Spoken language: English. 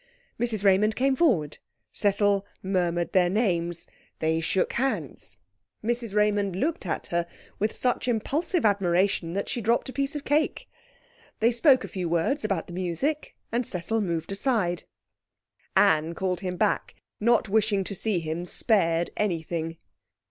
Mrs Raymond came forward. Cecil murmured their names. They shook hands. Mrs Raymond looked at her with such impulsive admiration that she dropped a piece of cake. They spoke a few words about the music, and Cecil moved aside. Anne called him back, not wishing to see him spared anything.